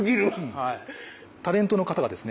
タレントの方がですね